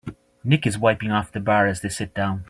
Nick is wiping off the bar as they sit down.